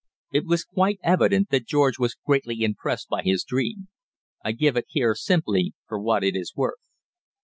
It was quite evident that George was greatly impressed by his dream. I give it here simply for what it is worth.